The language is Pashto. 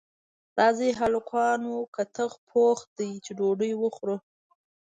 راځئ هلکانو کتغ پوخ دی چې ډوډۍ وخورو